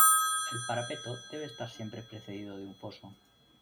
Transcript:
El parapeto debe estar siempre precedido de un foso.